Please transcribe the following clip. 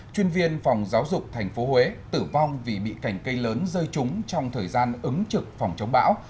chuyên viên phòng giáo dục tp huế tử vong vì bị cành cây lớn rơi trúng trong thời gian ứng trực phòng chống bão